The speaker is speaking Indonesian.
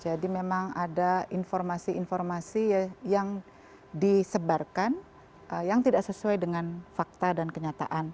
jadi memang ada informasi informasi yang disebarkan yang tidak sesuai dengan fakta dan kenyataan